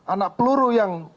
anak peluru yang